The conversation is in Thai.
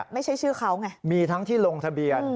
ไม่ใช่ชื่อเขาไงมีทั้งที่ลงทะเบียน